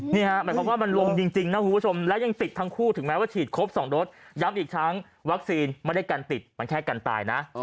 หมายความว่ามันลงจริงนะคุณผู้ชมและยังติดทั้งคู่ถึงแม้ว่าฉีดครบ๒โดสย้ำอีกครั้งวัคซีนไม่ได้กันติดมันแค่กันตายนะ